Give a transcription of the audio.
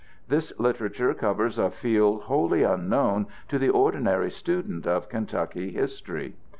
This literature covers a field wholly unknown to the ordinary student of Kentucky history.